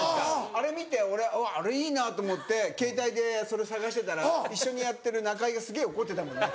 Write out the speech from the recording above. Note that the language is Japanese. あれ見て俺あれいいなと思ってケータイでそれ探してたら一緒にやってる中居がすげぇ怒ってたもんね。